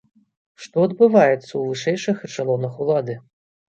Што адбываецца ў вышэйшых эшалонах улады?